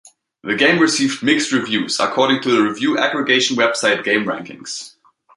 The game received "mixed" reviews according to the review aggregation website GameRankings.